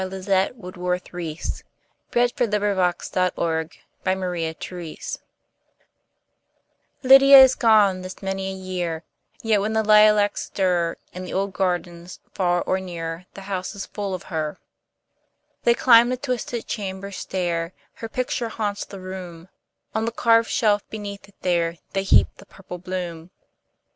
Lizette Woodworth Reese Lydia is gone this many a year LYDIA is gone this many a year, Yet when the lilacs stir, In the old gardens far or near, The house is full of her. They climb the twisted chamber stair; Her picture haunts the room; On the carved shelf beneath it there, They heap the purple bloom.